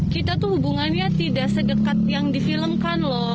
kita hubungannya tidak se dekat yang di filmkan loh